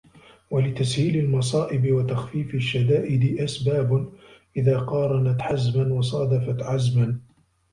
وَلِتَسْهِيلِ الْمَصَائِبِ وَتَخْفِيفِ الشَّدَائِدِ أَسْبَابٌ إذَا قَارَنْت حَزْمًا ، وَصَادَفْت عَزْمًا